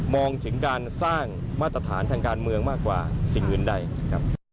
ถึงการสร้างมาตรฐานทางการเมืองมากกว่าสิ่งอื่นใดครับ